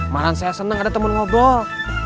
malah saya senang ada temen ngobrol